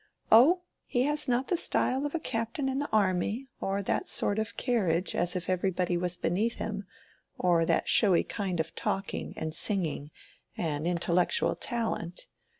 "Oh, he has not the style of a captain in the army, or that sort of carriage as if everybody was beneath him, or that showy kind of talking, and singing, and intellectual talent.